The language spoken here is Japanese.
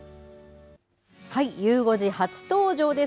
ゆう５時初登場です。